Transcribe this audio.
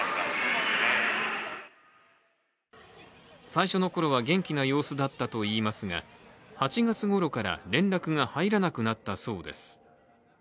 最初のころは元気な様子だったといいますが８月ごろから連絡が入らなくなったそうです。